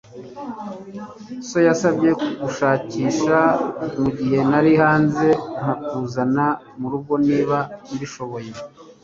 So yansabye kugushakisha mugihe nari hanze, nkakuzana murugo niba mbishoboye.